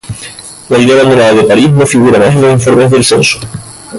La aldea abandonada de Paris no figura más en los informes del censo.